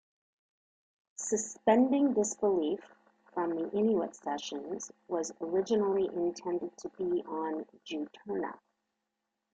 "Suspending Disbelief", from "The Inuit Sessions", was originally intended to be on "Juturna".